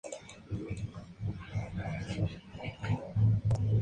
Asimismo, asume la dirección y gestión del Centro de Educación Infantil del Ministerio.